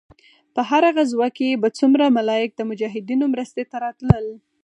په هره غزوه کښې به څومره ملايک د مجاهدينو مرستې ته راتلل.